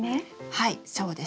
はいそうです。